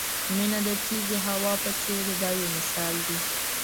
مینه د تېزې هوا په څېر ده دا یو مثال دی.